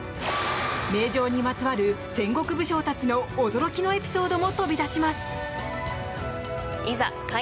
名城にまつわる戦国武将たちの驚きのエピソードも飛び出します。